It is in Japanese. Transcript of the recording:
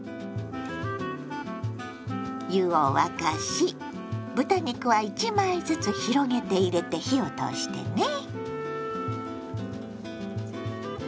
湯を沸かし豚肉は１枚ずつ広げて入れて火を通してね。